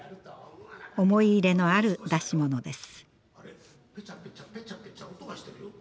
思い入れのある出し物です。